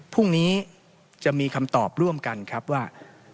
พรุ่งนี้จะมีคำตอบร่วมกันครับว่า